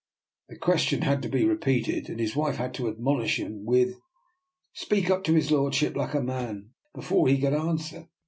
The question had to be repeated, and his wife had to admonish him with, " Speak up to his lordship like a man," before he could answer.